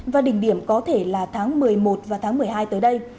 và đỉnh điểm có thể là tháng một mươi một và tháng một mươi hai tới đây